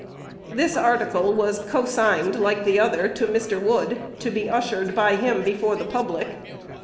This article was consigned, like the other, to Mr. Wood, to be ushered by him before the public.